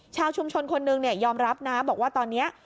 ชาวชุมชนคนนึงยอมรับนะบอกว่าตอนนี้